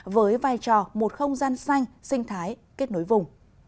với vai trò một không gian xanh sinh thái kết nối vùng